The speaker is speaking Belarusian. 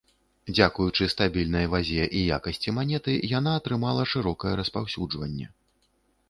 Дзякуючы стабільнай вазе і якасці манеты, яна атрымала шырокае распаўсюджванне.